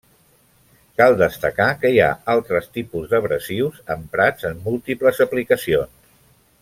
Cal destacar que hi ha altres tipus d'abrasius emprats en múltiples aplicacions.